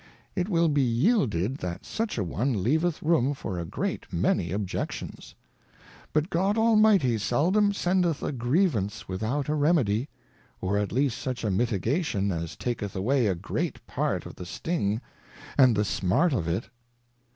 It will be yielded, that such a one leaveth room for a great many Objections. But God Almighty seldom sendeth a Grievance without a Remedy, or at least such a Mitigation as taketh away a great part of the sting, and the smart HUSBAND. 17 smart of it.